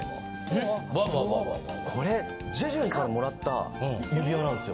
これジェジュンから貰った指輪なんですよ。